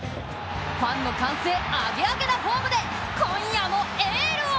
ファンの歓声アゲアゲなホームで今夜もエールを！